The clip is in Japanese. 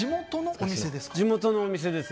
地元のお店です。